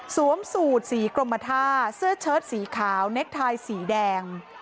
สูตรสีกรมท่าเสื้อเชิดสีขาวเน็กไทยสีแดง